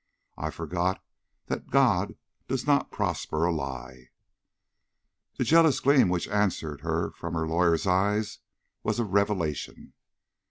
I forgot that God does not prosper a lie." The jealous gleam which answered her from the lawyer's eyes was a revelation.